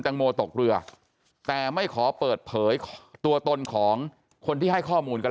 งโมตกเรือแต่ไม่ขอเปิดเผยตัวตนของคนที่ให้ข้อมูลกันแล้ว